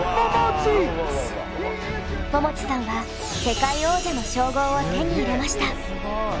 ももちさんは世界王者の称号を手に入れました。